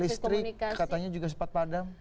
listrik katanya juga sempat padam